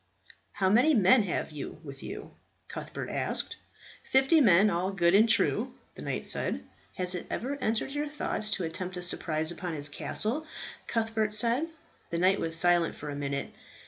"How many men have you with you?" Cuthbert asked. "Fifty men, all good and true," the knight said. "Has it never entered your thoughts to attempt a surprise upon his castle?" Cuthbert said. The knight was silent for a minute.